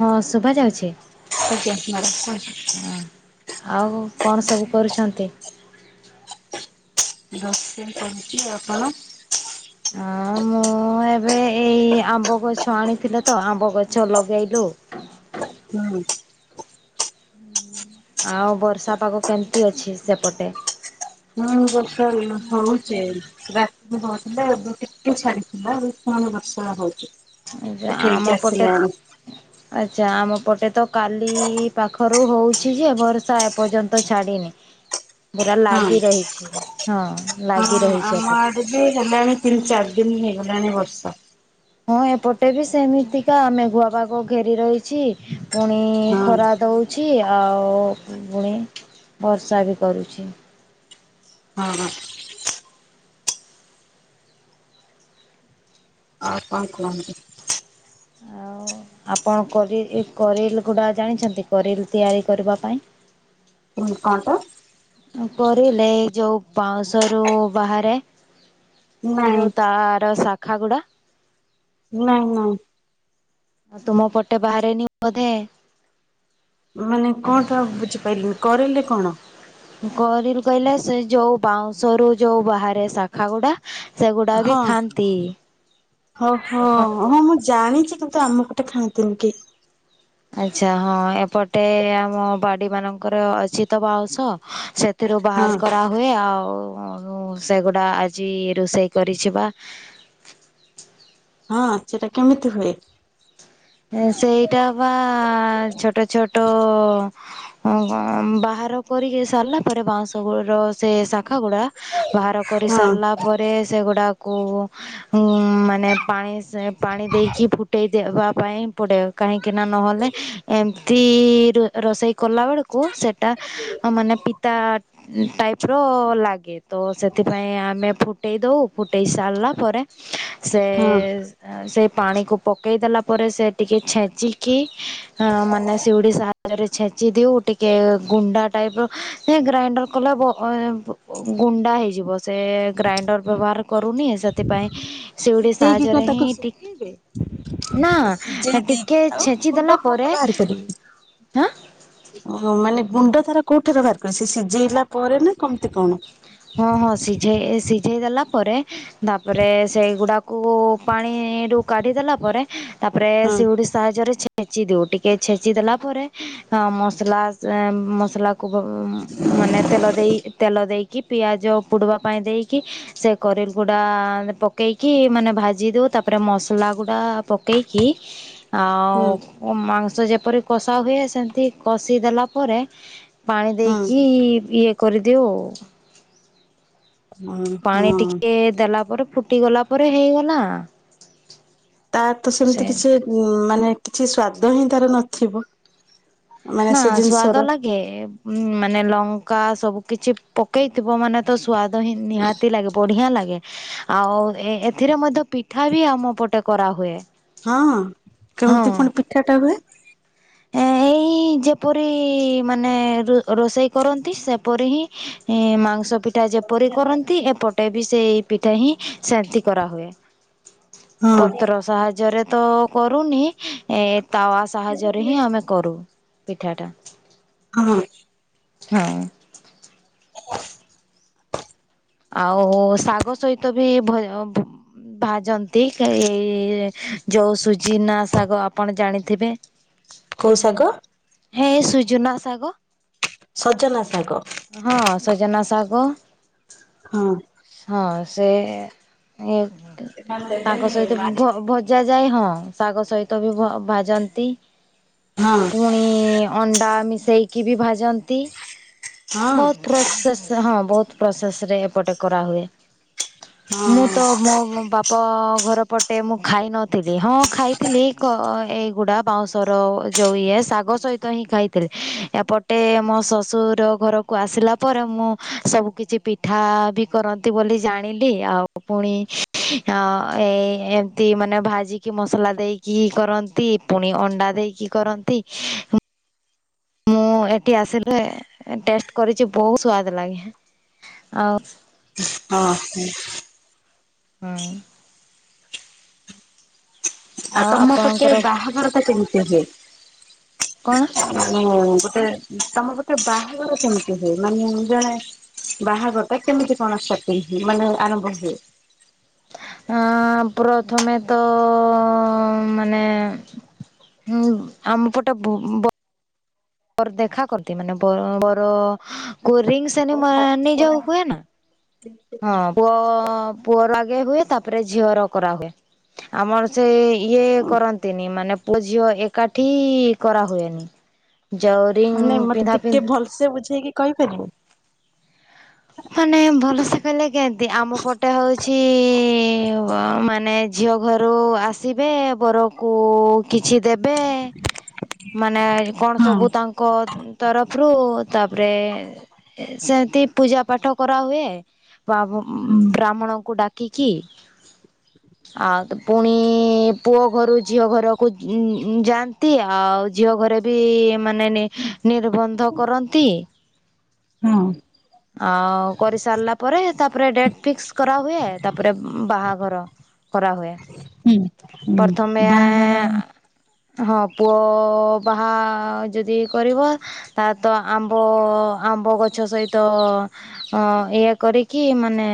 ହଁ ଶୁଭା ଯାଉଚି। ଆଜ୍ଞା ମ୍ୟାଡ଼ାମ କୁହନ୍ତୁ ଅ ଆଉ କଣ ସବୁ କରୁଛନ୍ତି? ରୋଷେଇ କରୁଚି ଆଉ। କଣ? ଆଉ ମୁଁ ଏବେ ଇଏ ଆମ୍ବ ଗଛ ଆଣିଥିଲ ତ ଆମ୍ବ ଗଛ ଲଗେଇଲୁ। ହୁଁ। ଆଉ ବର୍ଷା ପାଗ କେମିତି ଅଛି ସେପଟେ? ହଁ ବର୍ଷା ଏଇନେ ହଉଚି। [unintelligible] ଛାଡିଥିଲା ପୁଣି ବର୍ଷା ହଉଚି। ଏ ଆମ ପଟେ ଆଚ୍ଛା। ଆମ ପଟେ ତ କାଲି ପାଖରୁ ହେଉଛି ଯେ ବର୍ଷା ଏପର୍ଯ୍ୟନ୍ତ ଛାଡ଼ିନି। ପୁରା ଲାଗି ହଁ ରହିଛି। ହଁ ଲାଗି ରହିଛି ଏପଟେ। ଏଠି ହେଲାଣି ତିନି ଚାରି ଦିନ ହେଇଗଲାଣି ବର୍ଷା। ହଁ ଏପଟେ ବି ସେମିତିକା ଆମେ ମେଘୁଆ ପାଗ ଘେରି ରହିଛି। ପୁଣି ହଁ ଖରା ଦଉଛି। ଆଉ ପୁଣି ବର୍ଷା ବି କରୁଛି। ଅ ହଁ। ଆଉ କଣ କୁହନ୍ତୁ? ଆଉ ଆପଣ କରି କରିଲ ଗୁଡା ଜାଣିଛନ୍ତି କରିଲ ତିଆରି କରିବା ପାଇଁ? କଣ ତ ପରିଲେ ଯଉ ପାଉଁଶରୁ ବାହାରେ। ନାଇଁ ଯୋଉ ତାର ଶାଖ ଗୁଡା। ନାଇଁ ନାଇଁ। ଆଉ ତୁମ ପଟେ ବାହାରେନି ବୋଧେ। ମାନେ କଣ ଟା ବୁଝିପାରିଲିନି କରିଲେ କଣ? କରିଲ୍ କହିଲେ ସେ ଯୋଉ ବାଉଁଶ ରୁ ଯୋଉ ବାହାରେ ଶାଖା ଗୁଡା। ହଁ। ହଉ ହଁ। ଆପଣ ହଁ ହଁ ଜାଣିଚି କିନ୍ତୁ ଆମ ପଟେ ଖାଆନ୍ତିନି କେହି। ଆଚ୍ଛା ହଁ ଏପଟେ ଆମ ବାଡି ମାନଙ୍କର ଅଛି ତ ବାଉଁଶ ସେ ସେଥିରୁ ହଁ ବାହାର କରାହୁଏ ଆଉ ଉଁ, ସେଗୁଡା ଆଜି ରୋଷେଇ କରିଛି ବା। ହଁ ସେଟା କେମିତି ହୁଏ? ଏଁ ସେଇଟା ବା ଛୋଟ ଛୋଟ ହଁ ବାହାର କରିକି ସାରିଲା ପରେ ବାଉଁଶ ଗୁର ସେ ଶାଖା ଗୁଡା ବାହାର କରି ହଁ ସାରିଲା ପରେ ସେଗୁଡାକୁ ଉଁ, ମାନେ ପାଣି ସେ ପାଣି ଦେଇକି ଫୁଟେଇ ଦେବା। ପାଇଁ ପଡେ କାହିଁକି ନା ନହେଲେ ଏମିତି ରୁ ରୋଷେଇ କଲାବେେଳକୁ ସେଟା ଓ ମାନେ ପିତା ଟାଇପ୍ ର ଲାଗେ। ତ ସେଥିପାଇଁ ଆମେ ଫୁଟେଇ ଦଉ ଫୁଟେଇ ସାରିଲା ପରେ ସେ ହଁ ଏଁ ସେଇ ପାଣିକୁ ପକେଇ ଦେଲା ପରେ ସେ ଟିକେ ଛେଚିକି ହଁ ମାନେ ସିଉଡି ସାହା ରେ ଛେଚି ଦେଉ ଟିକେ ଗୁଣ୍ଡା ଟାଇପ୍ ର ସେ ଗ୍ରାଇଣ୍ଡର କଲା ବ- ଅଏ- ବ ଗୁଣ୍ଡା ହେଇଯିବ ସେ ଗ୍ରାଇଣ୍ଡର୍ ବ୍ୟବହାର କରୁନି ସେଥିପାଇଁ ସିଉଡ଼ି ସିଝେଇକି କଣ ସାହାଯ୍ୟରେ ତାକୁ ହିଁ ଶୁଖେଇବେ? ନା ଓ ସିଜେଇ ଟିକେ ଦେଇକି ଆଉ ଛେଚି ଦେଲା ଗୁଣ୍ଡ ପରେ କୋଉଟେ ବାହାର କରିବି? ହଁ ଓ ମାନେ ଗୁଣ୍ଡ ତାର କୋଉଠାରୁ ବାହାର କରି ସେ ସିଝେଇଲା ପରେ ନା କମତି କଣ? ହଁ ହଁ ସିଝେଇ ଏ ସିଝେଇ ଦେଲା ପରେ ତାପରେ ସେଇଗୁଡାକୁ ପାଣିରୁୁ କାଢିଦେଲା ପରେ ତାପରେ ହଁ ସେ ଉଡିଶ ସାହାଯ୍ୟରେ ଛେଚି ଦେଉ ଟିକେ ଛେଚି ଦେଲା ପରେ ହଁ ମସଲା ସେ ମସଲା କବା ଉ, ମାନେ ତେଲ ଦେଇ ତେଲ ଦେଇକି ପିଆଜ ପୁଡ଼ବା ପାଇଁ ଦେଇକି ସେ କରେଲ ଗୁଡ଼ା ପକେଇକି ମାନେ ଭାଜି ଦଉ ତାପରେ ମସଲା ଗୁଡ଼ା ପକେଇକି ହ ହୁଁ ଆଉ ଓ ମାଂସ ଯେପରି କଷା ହୁଏ ସେମିତି କଷିଦେଲା ପରେ ପାଣି ହୁଁ ଦେଇକି ଇଏ କରିଦିଉ। ହଁ ପାଣି ହଁ। ଟିକେ ଦେଲା ପରେ ଫୁଟିଗଲା ପରେ ହେଇଗଲା। ତାର ତ ସେ ସେମିତି କିଛି ଉଁ, ମାନେ କିଛି ସ୍ଵାଦ ହିଁ ତାର ନଥିବ। ମାନେ ନା ସେ ଜିନିଷର ସ୍ଵାଦ ଲାଗେ ଉଁ, ମାନେ ଲଙ୍କା ସବୁ କିଛି ପକେଇ ଥିବ ମାନେ ତ ସୁଆଦ ହିଁ ନିହାତି ଲାଗେ ବଢିଆ ଲାଗେ। ଆଉ ଏ ଏଥିରେ ମଧ୍ୟ ପିଠା ବି ଆମ ପଟେ କରାହୁଏ। ହଁ କେମିତି ପୁଣି ପିଠା ଟା ହୁଏ? ଏ ଏଇ ଇ ଯେପରି ମାନେ ରୁ ରୋଷେଇ କରନ୍ତି ସେପରି ହିଁ ଇଁ, ମାଂସ ପି ଠା ଯେପରି କରନ୍ତି ଏପଟେ ବି ସେଇ ପିଠା ହିଁ ସେନ୍ତି କରାହୁଏ। ହଁ ପତ୍ର ସାହାଯ୍ୟରେ ତ କରୁନି। ଏ ତାୱା ସାହାଯ୍ୟରେ ହିଁ ଆମେ କରୁ ପିଠାଟା। ହଁ। ହଁ। ଆଉ ଶାଗ ସହିତ ବି ଭୟ ଭୁ ଭାଜନ୍ତି ଏଇ ଯୋଉ ସୁଜିନା ଶାଗ ଆପଣ ଜାଣିଥିବେ? କୋଉ ଶାଗ? ହେ ସୁଜୁନା ଶାଗ। ସଜନା ଶାଗ। ହଁ ସଜନା ଶାଗ। ହଁ। ହଁ ସେ ଏ ତାଙ୍କ ସହିତ ଭ- ଭ ଜା ଯାଏ ହଁ ଶାଗ ସହିତ ବି ଭ-ଭାଜନ୍ତି। ହଁ ପୁଣି ଇଁ ଅଣ୍ଡା ମିଶେଇକି ବି ଭାଜନ୍ତି। ହଁ ବହୁତ ପ୍ରସେସ୍ ହଁ ବହୁତ ପ୍ରୋସେସ୍ ରେ ଏପଟେ କରାହୁଏ। ହଁ ମୁଁ ତ ମୋ ବା ପ ଘର ପଟେ ମୁଁ ଖାଇନଥିଲି ହଁ ଖାଇଥିଲି କ-ଏଇଗୁଡ଼ା ବାଉଁଶର ଜଉ ଇଏ ଶାଗ ସହିତ ହିଁ ଖାଇଥିଲେ ଏପଟେ ମୋ ଶଶୁର ଘରକୁ ଆସିଲା ପରେ ମୁଁ ସବୁ କିଛି ପିଠା ବି କରନ୍ତି ବୋଲି ଜାଣିଲି ଆଉ ପୁଣି ଏ ଏମତି ମାନେ ଭାଜିକି ମସଲା ଦେଇ କି କରନ୍ତି ପୁଣି ଅଣ୍ଡା ଦେଇକି କରନ୍ତି ମୁଁ ଏଠି ଆସିଲେ ଟେଷ୍ଟ କରିଛି ବହୁତ ସ୍ଦ ଲାଗେ ଆଉ ହଁ ହୁଁ। ହୁଁ। ଆଉ ତମ ପଟେ ବାହାଘର ଟା କେମିତି ହୁଏ? କଣ ମାନେ ଗୋଟେ ତମ ପଟେ ବାହାଘର କେମିତି ହୁଏ ମାନେ ଜଣେ ବାହାଘର ଟା କେମିତି କଣ [unintelligible] ହୁଏ ମାନେ ଆରମ୍ଭ ହୁଏ। ଆଁ ପ୍ରଥମେ ତ ମାନେ ହୁଁ ଆମ ପଟେ ବୁ- ବ ଦେଖା କରନ୍ତି। ମାନେ ବ ବର ରିଙ୍ଗସେରୀମୋନୀ ଯୋଉ ହୁଏ ନା ହଁ ପୁଅ ପୁଅର ଆଗେ ହୁଏ ତାପରେ ଝିଅର କରା ହୁଏ। ଆମର ସେ ଇଏ କରନ୍ତିନି ମାନେ ପୁଅ ଝିଅ ଏକାଠି କରାହୁଏନି। ଯୋଉ ରିଙ୍ଗ ପିନ୍ଧା ପିନ୍ଧି ସେ ବୁଝେଇକି କହିପାରିବେ? ମାନେ ଭଲସେ କହିଲେ କେମତି ଆମ ପଟେ ହଉଛି ମାନେ ଝିଅ ଘରୁ ଆସିବେ ବରକୁ କିଛି ଦେବେ। ମାନେ କଣ ହଁ ସବୁ ତାଙ୍କ ତରଫରୁ ତାପରେ ସେମିତି ପୂଜା ପାଠ କରାହୁଏ ବା ହଁ ବ୍ରାହ୍ମଣଙ୍କୁ ଡାକିକି। ହ ଆଉ ତ ପୁଣି ପୁଅ ଘରୁ ଝିଅ ଘରକୁ ଉଁ ଯାଆନ୍ତି ଆଉ ଝିଅ ଘରେ ବି ମାନେ ନିର୍ବନ୍ଧ କରନ୍ତି। ହୁଁ। ଆଉ କରିସାରିଲା ପରେ ତାପରେ ଡେଟ ଫିକ୍ସ କରା ହୁଏ ତାପରେ ବାହାଘର। କରା ହୁଏ ହୁଁ ହୁଁ ପ୍ରଥମେ ବାହାଘର ହଁ ପୁଅ ବାହା ଯଦି କରିବ ତା ତ ଆମ୍ବ ଆମ୍ବ ଗଛ ସହିତ ଇଏ କରିକି ମାନେ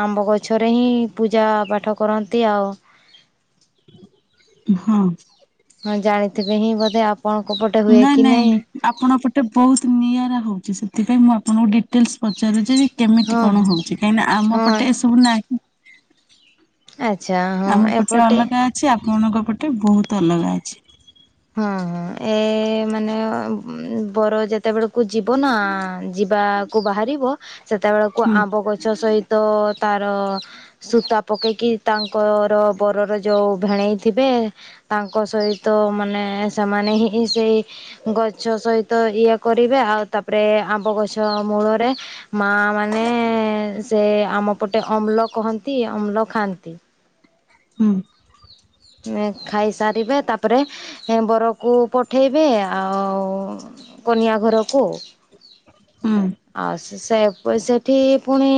ଆମ୍ବ ଗଛରେ ହିଁ ପୂଜା ପାଠ କରନ୍ତି ଆଉ। ହଁ। ହଁ ଜାଣିଥିବେ ହିଁ ବୋଧେ ଆପଣଙ୍କ ପଟେ ହୁଏ କି ନାହିଁ। ଆପଣଙ୍କ ପଟେ ବହୁତ ନିଆରା ହଉଛି ସେଥିପାଇଁ ମୁଁ ଆପଣଙ୍କୁ ଡି ଟେଲ୍ସ ପଚାରୁଛି କେମିତି ହଁ କଣ ହଁ ହଉଛି କାହିଁକିନା ଆମ ହଁ ପଟେ ଏସବୁ ନାହିଁ। ଆଚ୍ଛା ହଁ ଏପଟେ ସେ ଆପଣଙ୍କ ପଟେ ବହୁତ ଅଲଗା ଅଛି। ହଁ ହଁ ଏ ମାନେ ବର ଯା ଯେତେବେଳକୁ ଯିବ ନା ଯିବାକୁ ବାହାରିବ ସେତେବେଳକୁ ହୁଁ ଆମ୍ବ ଗଛ ସହିତ ତ ତାର ସୂତା ପକେଇକି ତାଙ୍କର ବରର ଯୋଉ ଭେଣେଇଥିବେ ତାଙ୍କ ସହିତ ମାନେ ସେମାନେ ହିଁ ସେଇ ଗଛ ସହିତ ଏୟା କରିବେ ଆଉ ତାପରେ ଆମ୍ବ ଗଛ ମୂଳରେ ମା ମାନେ ସେ ଆମ ପଟେ ଅମ୍ଲ କହନ୍ତି ଅମ୍ଳ ଖାଆନ୍ତି। ହୁଁ। ଏଁ ଖାଇସାରିବେ ତାପରେ ହେଁ ବରକୁ ପଠେଇବେ ଆଉ କନିଆ ଘରକୁ ହୁଁ। ଆ ସେ ସେ ସେଠି ପୁଣି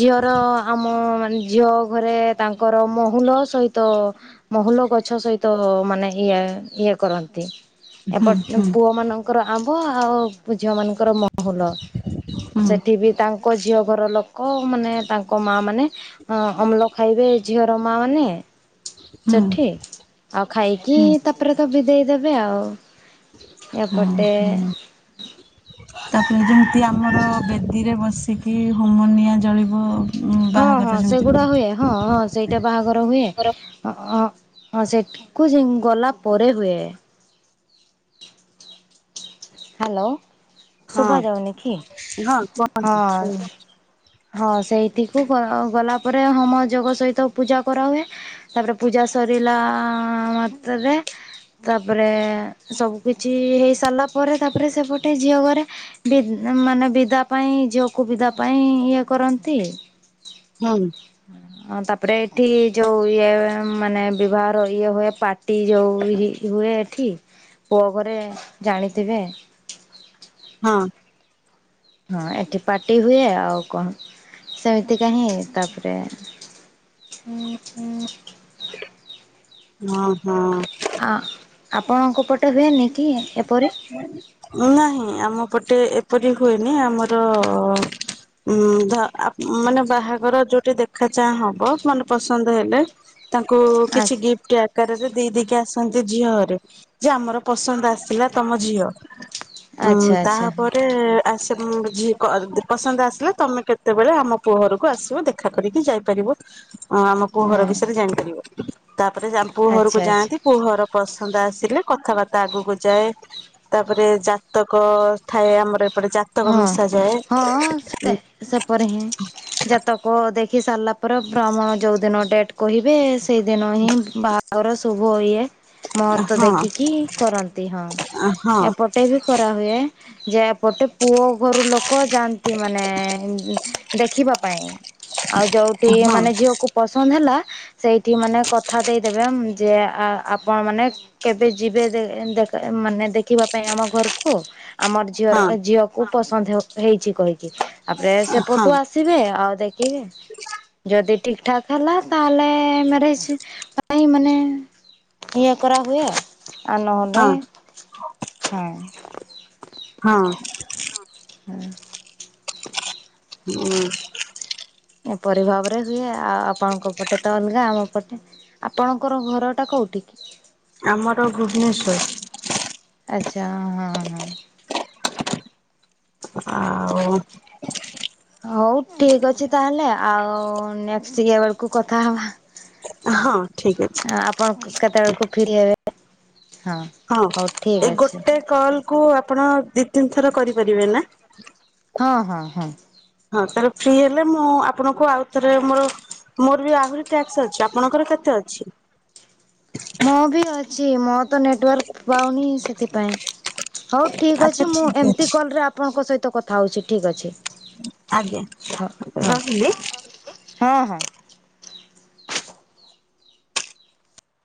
ଝିଅର ଆମ ମା ଝିଅ ଘରେ ତାଙ୍କର ମହୁନ ସହିତ ମୋହୁଲ ଗଛ ସହିତ ମାନେ ଇଏ ଇଏ କରନ୍ତି। ହୁଁ ଏପଟ୍ ହୁଁ ପୁଅ ମାନଙ୍କର ଆମ୍ବ ଆଉ ଝିଅ ମାନଙ୍କର ମ ହୁଲ ହୁଁ ସେଠି ବି ତାଙ୍କ ଝିଅ ଘର ଲୋକୋ ମାନେ ତାଙ୍କ ମା ମାନେ ଅଁ ଅମ୍ଳ ଖାଇବେ ଝିଅର ମା ମାନେ ହୁଁ ସେଠି। ଆଉ ଖାଇକି ହୁଁ ତାପରେ ତ ବିଦେଇ ଦେବେ ଆଉ ହଁ ଏପଟେ ହଁ। ତାପରେ ଯେମିତି ଆମର ବେଦିରେ ବସିକି ହୋମୋନିଆଁ ଜଳିବ। ହଁ ବାହାଘର ହଁ ଯେମିତି ସେଗୁଡା ହୁଏ ହଁ ହଁ ସେଇଟା ବାହାଘର ହୁଏ। [unintelligible] ହଁ ସେଠିକୁ ଯାଇଁ ଗଲା ପରେ ହୁଏ। ହାଲୋ ହଁ ଶୁଭାଯାଉନି କି ହଁ କୁହନ୍ତୁ ହଁ। ହୁଁ ହଁ ସେଇଟିକୁ ଗ ଗଲା ପରେ ହମୋ ଯୋଗ ସହିତ ପୂଜା କରାହୁଏ। ତାପରେ ପୂଜା ସରିଲା। ଆଁ ମାତ୍ରାରେ ତାପରେ ସବୁ କିଛି ହେଇସାରିଲା ପରେ ତାପରେ ସେପଟେ ଝିଅ ଘରେ ବିଦ୍ ମାନେ ବିଦା ପାଇଁ ଝିଅକୁ ବିଦା ପାଇଁ ଇଏ କରନ୍ତି। ହଁମ। ହୁଁ। ଅଁ ତାପରେ ଏଠି ଯୋଉ ଇଏ ମାନେ ବିବାହର ଇଏ ହୁଏ ପାର୍ଟି ଯୋଉ ହି ହୁଏ। ଠୀ ପୁଅ ଘରେ ଜାଣିଥିବେ। ହଁ। ହଁ ଏଠି ପାର୍ଟି ହୁଏ ଆଉ କଣ ସେମିତିକା ହିଁ ତାପରେ [unintelligible] ମହଁ। ଆଁ ଆପଣଙ୍କ ପଟେ ହୁଏନି କି? ଏପରି। ନାହିଁ ଆମ ପଟେ ଏପରି ହୁଏନି ଆମର ଉଁ ଧ ଆପ୍ ମାନେ ବାହାଘର ଯୋଉଠି ଦେଖା ଚାଁ ହବ ମନ ପସନ୍ଦ ହେଲେ ତାଙ୍କୁ କିଛି ଗିଫ୍ଟି ଆ କାରରେ ଦେଇ ଦେଇକି ଆସନ୍ତି ଝିଅଘରେ ଯେ ଆମର ପସନ୍ଦ ଆସିଲା ତମ ଝିଅ। ଉଁ ଆଚ୍ଛା ଆଚ୍ଛା ଆଚ୍ଛା ତାହାପରେ ଏଁ ଆସେ ଉଁମ ଝି କର୍ ଦ ପସନ୍ଦ ଆସିଲା ତମେ କେତେବେଳେ ଆମ ପୁଅ ଘରକୁ ଆସିବ ଦେଖା କରିକି ଯାଇପାରିବ। [inaudible] ହଁ ଆମ ପୁଅ ଘର ବିଷୟରେ ଜାଣିପାରିବ ତାପରେ ଯା ପୁଅ ଆଚ୍ଛା ଘରକୁ ଆଚ୍ଛା ଯାଆନ୍ତି ପୁଅ ଘର ପସନ୍ଦ ଆସିଲେ କଥାବାର୍ତ୍ତା ଆଗକୁ ଯାଏ। ତାପରେ ଜାତକ ଥାଏ ଆମର ଏପଟ ଜାତକ ହଁ। ମିଶାଯାଏ। ହଁ ସେପରି ହିଁ ଜାତକ ଦେଖି ସାରିଲା ପରେ ଭ୍ରମଣ ଯୋଉଦିନ ଡେଟ୍ କହିବେ ସେ ସେଇଦିନ ହିଁ ବାହା ଘର ଶୁଭ ଇଏ ମହର୍ତ୍ତ ହଁ। ଦେଖିକି କରନ୍ତି ହଁ ଏପ ଟେ ବି କରା ହୁଏ ଯେ ଏପଟେ ପୁଅ ଘରୁ ଲୋକୋ ଯାଆନ୍ତି ମାନେ ଦେଖିବା ପାଇଁ। ଆଉ ଯୋଉଠି ହଁ ମାନେ ଝିଅକୁ ପସନ୍ଦ ହେଲା ସେଇଠି ମାନେ କଥା ଦେଇଦେବେ ଉଁ ଯେ ଆ ଆପଣ ମାନେ କେବେ ଯିବେ ଦେ ଦେଖ ମାନେ ଦେଖିବା ପାଇଁ ଆମ ଘରକୁ? ଆମର ଝିଅର ହଁ ଝିଅକୁ ପସନ୍ଦ ହୋ ହେଇଛି କହିକି ଆପରେ ସେପଟୁ ଆସି ହଁ ସିବେ ଆଉ ଦେଖିବେ। ଯଦି ଠିକଠାକ ହେଲା ତାହେଲେ ମ୍ୟାରେଜ୍ ପାଇଁ ମାନେ ଏୟା କାର ହୁଏ ଆଉ ନହଲେ ହଁ ହଁ। ହୁଁ। ହୁଁ। ଏପରି ଭାବରେ ହୁଏ ଆଉ ଆପଣଙ୍କ ପଟେ ତ ଅଲଗା ଆମ ପଟେ ଆପଣଙ୍କର ଘରଟା କଉଠି କି? ଆମର ଭୁବେନେଶ୍ୱର୍। ଆଚ୍ଛା ହଁ ହଁ ହଁ। ଆଉ ହଉ ଠିକ୍ ଅଛି ତାହେଲେ ଆଉ ନେକ୍ସଟ୍ ଇଏ ବେଳକୁ କଥା ହବା। ହଁ, ଠିକ୍ ଅଛି। ଆପଣ କ କେତେବେଳକୁ ଫ୍ରି ହେବେ? ହଁ। ହଁ ହଉ ଠିକ୍ ଏ ଅଛି। ଗୋଟେ କଲ୍ କୁ ଆପଣ ଦି ତିନି ଥର କରିପାରିବେ ନା? ହଁ ହଁ ହଁ। ହଁ ତାହଲେ ଫ୍ରି ହେଲେ ମୁଁ ଆପଣଙ୍କୁ ଆଉ ଥରେ ମୋର ମୋର ବି ଆହୁରି ଟ୍ୟାକ୍ସ ଅଛି, ଆପଣଙ୍କର କେତେ ଅଛି? ମୁଁ ବି ଅଛି ମୋ ତ ନେଟୱାର୍କ ପାଉନି ସେଥିପାଇଁ। ହଉ ଠିକ୍ ଆଚ୍ଛା ଅଛି ମୁଁ ଠିକ୍ ଏମିତି ଅଛି କଲ୍ ରେ ଆପଣଙ୍କ ସହିତ କଥା ହଉଛି ଠିକ୍ ଅଛି। ଆଜ୍ଞା ହଁ ହଁ ରହିଲି। ହଁ ହଁ।